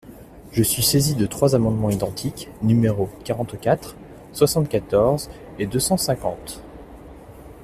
Je suis saisi de trois amendements identiques, numéros quarante-quatre, cent soixante-quatorze et deux cent cinquante.